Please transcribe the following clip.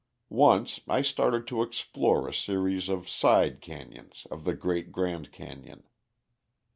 Once I started to explore a series of side canyons of the great Grand Canyon.